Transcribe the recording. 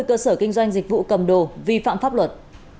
hai mươi cơ sở kinh doanh dịch vụ cầm đồ vi phạm pháp luật